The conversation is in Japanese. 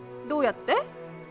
どうやって？